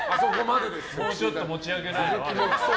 もうちょっと持ち上げないの？